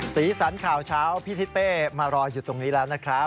สีสันข่าวเช้าพี่ทิศเป้มารออยู่ตรงนี้แล้วนะครับ